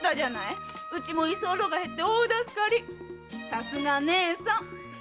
さすが義姉さん！